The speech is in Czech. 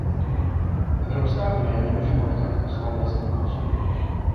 Evropská unie nemůže ponechat Kosovo vlastnímu osudu.